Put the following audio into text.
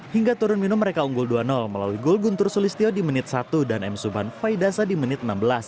hingga turun minum mereka unggul dua melalui gol guntur sulistyo di menit satu dan m suvan faidasa di menit enam belas